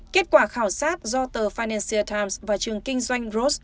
kết quả khảo sát do tờ financial times và trường kinh doanh rhodes